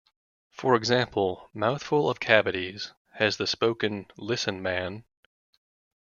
For example, "Mouthful of Cavities" has the spoken "Listen, man.